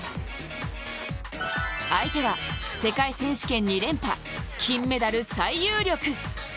相手は世界選手権２連覇金メダル最有力。